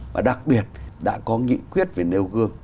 và đặc biệt đã có nghị quyết về nêu gương